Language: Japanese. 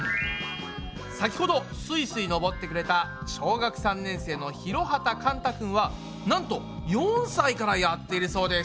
先ほどすいすい登ってくれた小学３年生の広畠寛太くんはなんと４歳からやっているそうです。